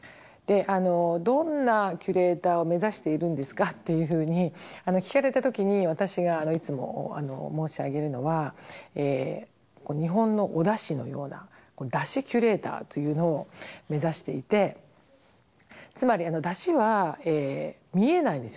「どんなキュレーターを目指しているんですか？」っていうふうに聞かれた時に私がいつも申し上げるのは日本のお出汁のような出汁キュレーターというのを目指していてつまり出汁は見えないですよね？